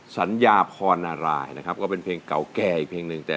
สัญญาคอนรายเป็นเพลงเก่าแก่อีกเพลงหนึ่ง